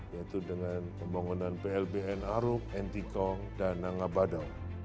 yaitu dengan pembangunan blbn arok entikong dan nangabado